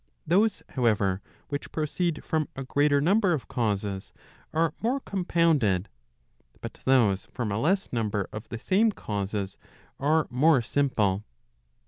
Those, however, which proceed from a greater number of causes are more compounded, but those from a less number of the same causes, are more simple.